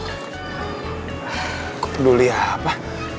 gua peduli apa